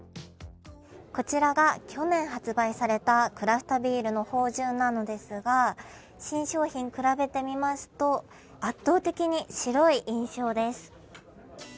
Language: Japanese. こちらが去年発売されたクラフトビールの豊潤なのですが新商品と比べてみますと、圧倒的に白い印象です。